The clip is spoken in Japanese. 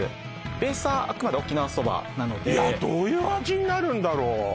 ベースはあくまで沖縄そばなのでいやどういう味になるんだろう？